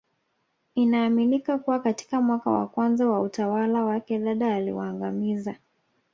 Inaaminika kuwa katika mwaka wa kwanza wa utawala wake Dada aliwaangamiza